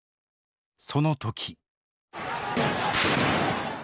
その時。